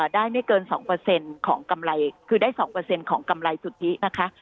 ได้ไม่เกิน๒ของกำไรคือได้๒ของกำไรสุทธินะคะ